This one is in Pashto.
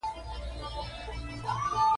د غبرګو خویندو مینځ کې په نازونو روانیږي